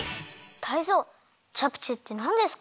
タイゾウチャプチェってなんですか？